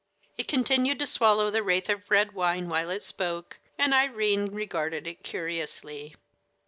It continued to swallow the wraith of red wine while it spoke, and Irene regarded it curiously.